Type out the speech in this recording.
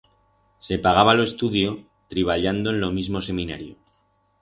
Se pagaba lo estudio triballando en lo mismo Seminario.